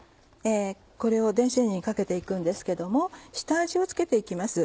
これを電子レンジにかけて行くんですけども下味を付けて行きます。